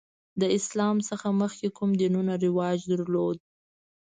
د اسلام څخه مخکې کوم دینونه رواج درلود؟